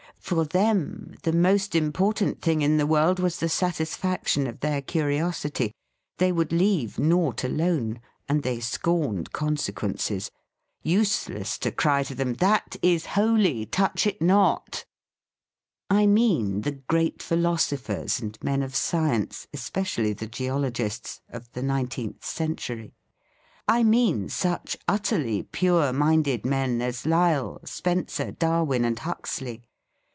For them the most important thing in the world was the satisfaction of their curiosity. They would leave naught alone; and they scorned consequences. Useless to cry to them: "That is holy. Touch it not!" I mean the great philosophers and men THE FEAST OF ST FRIEND of science — especially the geologists — of the nineteenth century. I mean such utterly pure minded men as Lyell, Spencer, Darwin and Huxley.